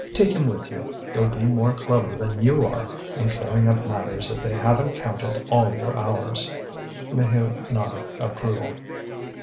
"Take him with you; he'll be more clever than you are in clearing up matters if they haven't counted all your hours." Maheu nodded approval.